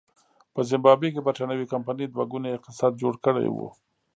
په زیمبابوې کې برېټانوۍ کمپنۍ دوه ګونی اقتصاد جوړ کړی و.